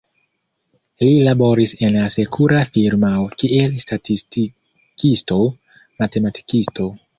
Li laboris en asekura firmao kiel statistikisto-matematikisto.